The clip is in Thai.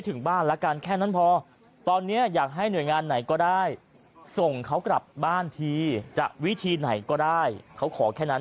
เธอขอแค่นั้นเพราะเขาอยากกลับบ้าน